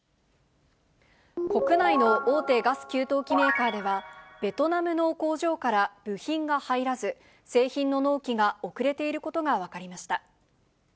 国内の大手ガス給湯器メーカーでは、ベトナムの工場から部品が入らず、製品の納期が遅れていることが分かりました。